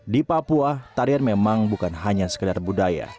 di papua tarian memang bukan hanya sekedar budaya